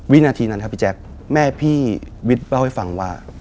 วินาทีนั้นครับพี่แจ๊คแม่พี่วิทย์เล่าให้ฟังว่า